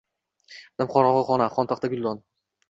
Nimqorongʼi xona, xontaxta, guldon.